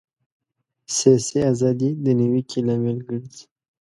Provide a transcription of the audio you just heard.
سیاسي ازادي د نیوکې لامل ګرځي.